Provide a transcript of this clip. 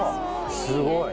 すごい！